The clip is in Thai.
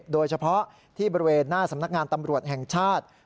โดยเฉพาะที่บริเวณหน้าสำนักงานตำรวจแห่งชาติ